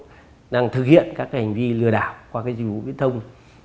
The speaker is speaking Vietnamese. đài loan trung quốc đang thực hiện các hành vi lừa đảo qua dịch vụ viễn thông